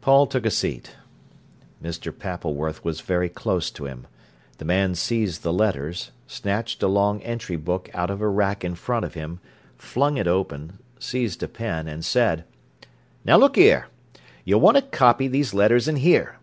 Paul took a seat. Mr. Pappleworth was very close to him. The man seized the letters, snatched a long entry book out of a rack in front of him, flung it open, seized a pen, and said: "Now look here. You want to copy these letters in here."